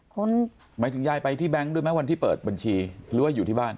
คนหมายถึงยายไปที่แก๊งด้วยไหมวันที่เปิดบัญชีหรือว่าอยู่ที่บ้าน